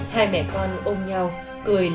hai mẹ con ôm nhau